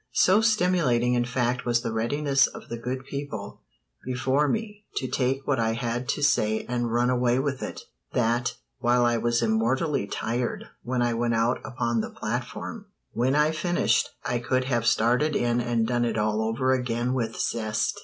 So stimulating in fact was the readiness of the good people before me to take what I had to say and run away with it, that, while I was immortally tired when I went out upon the platform, when I finished I could have started in and done it all over again with zest.